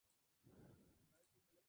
Además lidera un grupo llamado Sextus.